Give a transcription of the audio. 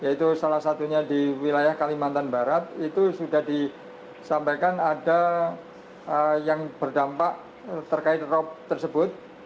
yaitu salah satunya di wilayah kalimantan barat itu sudah disampaikan ada yang berdampak terkait rop tersebut